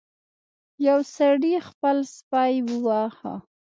یو سړي خپل سپی وواهه.